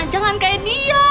jangan kayak dia